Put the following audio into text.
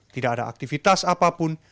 tidak ada aktivitas apapun